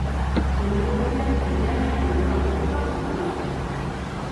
Hurrengo urtean Errealak Europako Kopa jokatu zuen.